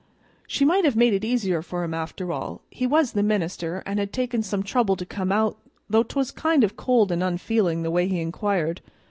She might have made it easier for him; after all, he was the minister and had taken some trouble to come out, though 'twas kind of cold an' unfeelin' the way he inquired.